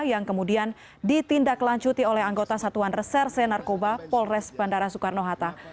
yang kemudian ditindaklanjuti oleh anggota satuan reserse narkoba polres bandara soekarno hatta